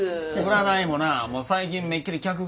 占いもなもう最近めっきり客が減りましたわ。